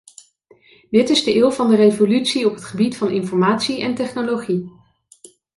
Dit is de eeuw van de revolutie op het gebied van informatie en technologie.